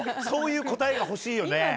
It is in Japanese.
そういう答えが欲しいよね。